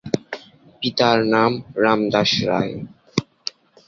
পিতার নাম রামদাস রায়।